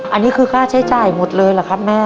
อันนี้คือค่าใช้จ่ายหมดเลยเหรอครับแม่